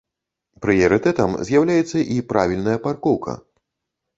Прыярытэтам з'яўляецца і правільная паркоўка.